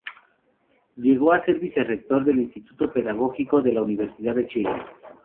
Llegó a ser vicerrector del Instituto Pedagógico de la Universidad de Chile.